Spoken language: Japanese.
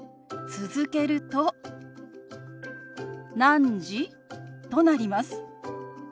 続けると「何時？」となります。